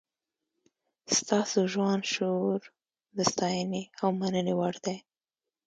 ستاسو ځوان شعور د ستاینې او مننې وړ دی.